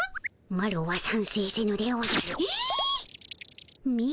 マロはさんせいせぬでおじゃる。